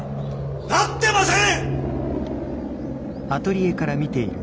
なってません！